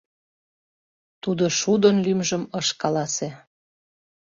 Тудо шудын лӱмжым ыш каласе.